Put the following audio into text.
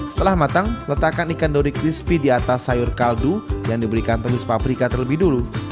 setelah matang letakkan ikan dori crispy di atas sayur kaldu yang diberikan tumis paprika terlebih dulu